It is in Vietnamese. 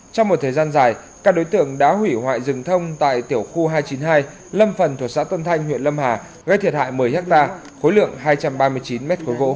trong một thời gian dài các đối tượng đã hủy hoại rừng thông tại tiểu khu hai trăm chín mươi hai lâm phần thuộc xã tân thanh huyện lâm hà gây thiệt hại một mươi ha khối lượng hai trăm ba mươi chín m ba gỗ